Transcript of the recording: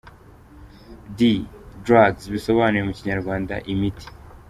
D : Drugs : bisobanuye mu Kinyarwanda “imiti”.